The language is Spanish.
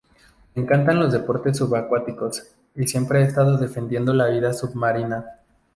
Le encantan los deportes subacuáticos y siempre ha estado defendiendo la vida submarina.